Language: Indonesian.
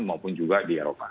maupun juga di eropa